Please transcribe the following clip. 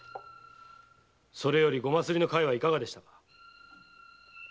それよりごますりの会はいかがでしたか？